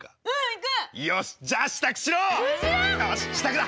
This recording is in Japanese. よし支度だ！